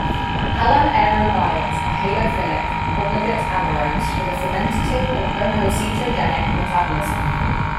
Halanaerobiales are halophilic obligate anaerobes with a fermentative or homoacetogenic metabolism.